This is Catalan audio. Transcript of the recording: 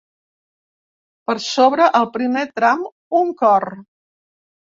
Per sobre el primer tram, un cor.